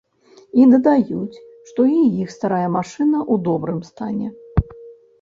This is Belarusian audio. І дадаюць, што і іх старая машына ў добрым стане.